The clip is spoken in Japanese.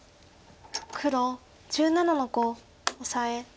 黒１７の五オサエ。